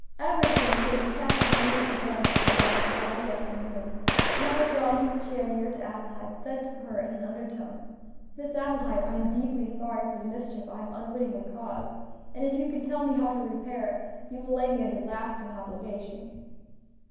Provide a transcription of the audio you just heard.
Eversham, who had been casting uneasy glances at Elsie all the afternoon, now drawing his chair near to Adelaide, said to her in an undertone, "Miss Adelaide, I am deeply sorry for the mischief I have unwittingly caused, and if you can tell me how to repair it you will lay me under lasting obligations."